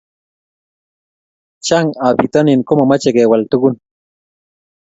Chang ab pitanin ko mamache kewal tugun